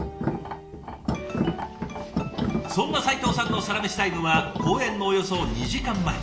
そんな齊藤さんのサラメシタイムは公演のおよそ２時間前。